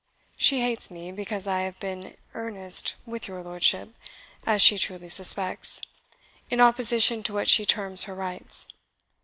She hates me, because I have been earnest with your lordship, as she truly suspects, in opposition to what she terms her rights.